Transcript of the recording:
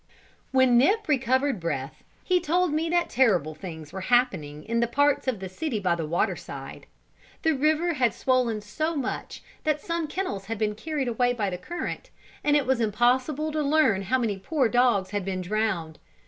When Nip recovered breath, he told me that terrible things were happening in the parts of the city by the waterside. The river had swollen so much, that some kennels had been carried away by the current, and it was impossible to learn how many poor dogs had been drowned.